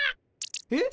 えっ。